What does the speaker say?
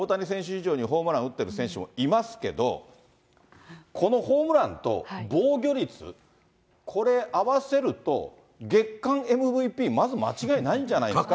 以上にホームラン打っている選手もいますけど、このホームランと防御率、これ、合わせると、月間ＭＶＰまず間違いないんじゃないですか。